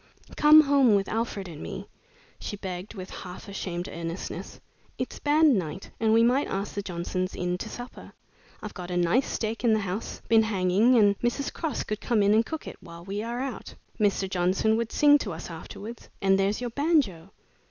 "Come home with Alfred and me," she begged, with half ashamed earnestness. "It's band night and we might ask the Johnsons in to supper. I've got a nice steak in the house, been hanging, and Mrs. Cross could come in and cook it while we are out. Mr. Johnson would sing to us afterwards, and there's your banjo.